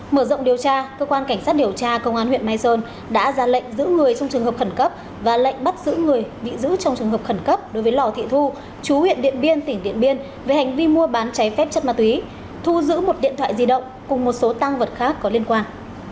mở rộng điều tra cơ quan cảnh sát điều tra công an huyện mai sơn đã ra lệnh giữ người trong trường hợp khẩn cấp và lệnh bắt giữ người bị giữ trong trường hợp khẩn cấp đối với lò thị thu chú huyện điện biên tỉnh điện biên về hành vi mua bán cháy phép chất ma túy thu giữ một điện thoại di động cùng một số tăng vật khác có liên quan